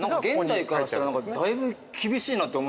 現代からしたらだいぶ厳しいなって思っちゃう。